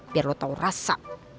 biar lo tau rasa